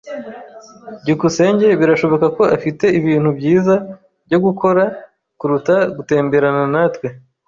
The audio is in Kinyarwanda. byukusenge birashoboka ko afite ibintu byiza byo gukora kuruta gutemberana natwe.